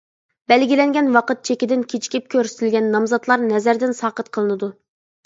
بەلگىلەنگەن ۋاقىت چېكىدىن كېچىكىپ كۆرسىتىلگەن نامزاتلار نەزەردىن ساقىت قىلىنىدۇ.